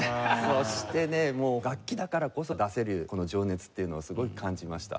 そしてねもう楽器だからこそ出せるこの情熱っていうのをすごく感じました。